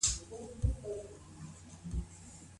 په کتابچه کي لیکل تمرکز ډیروي.